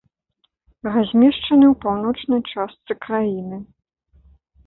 Размешчаны ў паўночнай частцы краіны.